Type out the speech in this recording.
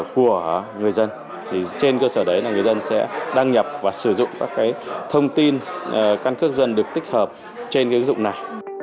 của người dân trên cơ sở đấy là người dân sẽ đăng nhập và sử dụng các thông tin căn cước dân được tích hợp trên ứng dụng này